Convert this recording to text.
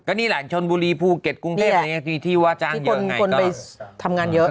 ก็นี่แหล่งชนบุรีภูเก็ตกรุงเทพฯมีที่ว่าจ้างเยอะไงก็ที่คนไปทำงานเยอะ